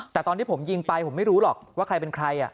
แต่ตอนที่ผมยิงไปผมไม่รู้หรอกว่าใครเป็นใคร